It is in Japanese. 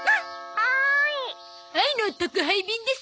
「はーい」愛の宅配便です。